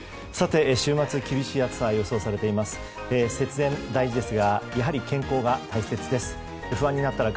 週末、厳しい暑さが予想されています。